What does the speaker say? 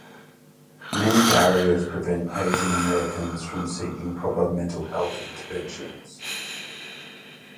Many barriers prevent Asian Americans from seeking proper mental health interventions.